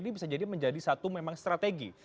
ini bisa jadi menjadi satu memang strategi